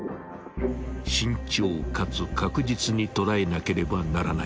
［慎重かつ確実に捕らえなければならない］